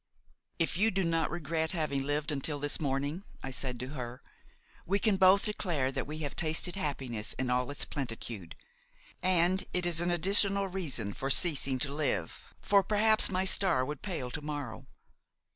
"'If you do not regret having lived until this morning,' I said to her, 'we can both declare that we have tasted happiness in all its plentitude; and it is an additional reason for ceasing to live, for perhaps my star would pale to morrow.